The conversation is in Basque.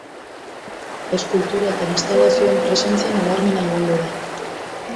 Eskultura eta instalazioen presentzia nabarmena egongo da.